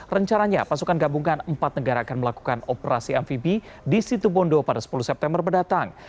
rencananya pasukan gabungan empat negara akan melakukan operasi amfibi di situ bondo pada sepuluh september mendatang